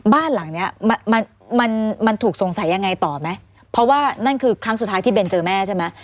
บ้านหลังเนี้ยมันมันถูกสงสัยยังไงต่อไหมเพราะว่านั่นคือครั้งสุดท้ายที่เบนเจอแม่ใช่ไหม